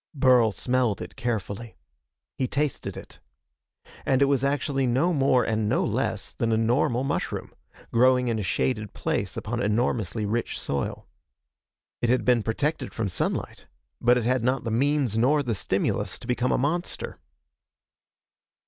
Burl smelled it carefully. He tasted it. And it was actually no more and no less than a normal mushroom, growing in a shaded place upon enormously rich soil. It had been protected from sunlight, but it had not the means nor the stimulus to become a monster.